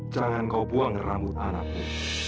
jangan kau buang rambut anakku